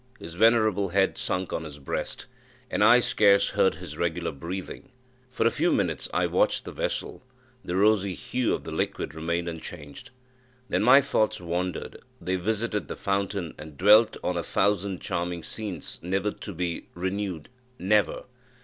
His venerable head sunk on his breast, and I scarce heard his regular breathing. For a few minutes I watched the vessel the rosy hue of the liquid remained unchanged. Then my thoughts wandered they visited the fountain, and dwelt on a thousand charming scenes never to be renewed never!